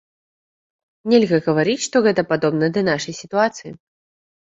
Нельга гаварыць, што гэта падобна да нашай сітуацыі.